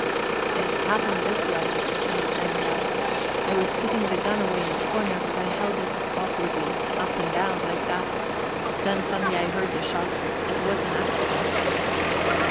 "It happened this way," I stammered out. "I was putting the gun away in the corner, but I held it awkwardly up and down, like that; then suddenly I heard the shot. It was an accident."